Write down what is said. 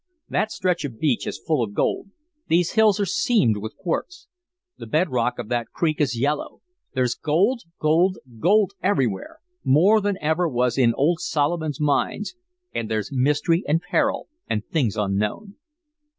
That stretch of beach is full of gold. These hills are seamed with quartz. The bed rock of that creek is yellow. There's gold, gold, gold, everywhere more than ever was in old Solomon's mines and there's mystery and peril and things unknown."